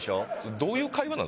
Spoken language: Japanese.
どういう会話なん？